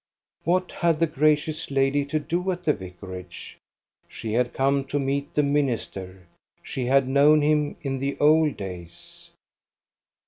What had the gracious lady to do at the vicarage? She had come to meet the minister. She had known him in the old days.